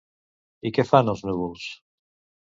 I què fan, els núvols?